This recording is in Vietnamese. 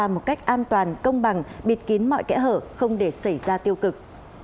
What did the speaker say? một cách nghiêm túc